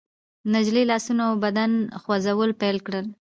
نجلۍ لاسونه او بدن خوځول پيل کړل.